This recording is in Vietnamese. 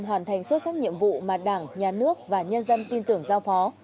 hoàn thành xuất sắc nhiệm vụ mà đảng nhà nước và nhân dân tin tưởng giao phó